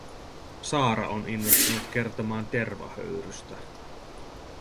Saara on innostunut kertomaan tervahöyrystä.